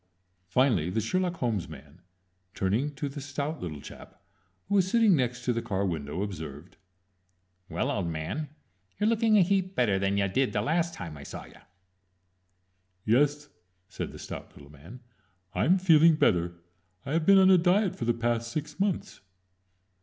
Finally the Sherlock Holmes man, turning to the stout little chap, who was sitting next to the car window, observed: "Well, old man, you're lookin' a heap better than ya did the last time I saw ya." "Yes," said the stout little man, "I'm feeling better. I've been on a diet for the past six months."